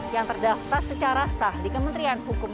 yang terdaftar secara sah di kementerian hukum